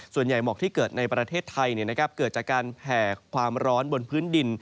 ส่วนใหญ่หมอกที่เกิดในประเทศไทยเนี่ยนะครับเกิดจากการแผ่ความร้อนบนพื้นดิน